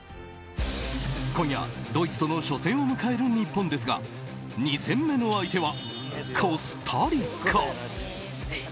今夜、ドイツとの初戦を迎える日本ですが２戦目の相手はコスタリカ。